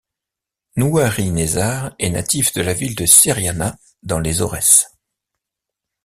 Nouari Nezzar est natif de la ville de Seriana dans les Aurès.